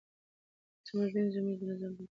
زموږ دين زموږ د نظام برخه ده.